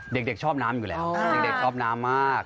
เด็กชอบน้ำอยู่แล้วเด็กชอบน้ำมาก